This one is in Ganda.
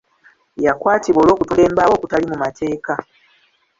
Yakwatibwa olw'okutunda embaawo okutaali mu mateeka.